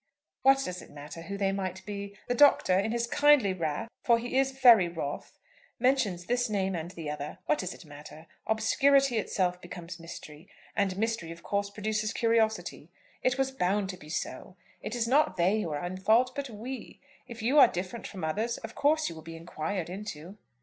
"What does it matter who they might be? The Doctor in his kindly wrath, for he is very wroth, mentions this name and the other. What does it matter? Obscurity itself becomes mystery, and mystery of course produces curiosity. It was bound to be so. It is not they who are in fault, but we. If you are different from others, of course you will be inquired into."